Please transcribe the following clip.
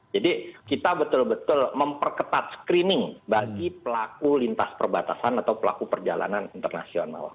jadi kita betul betul memperketat screening bagi pelaku lintas perbatasan atau pelaku perjalanan internasional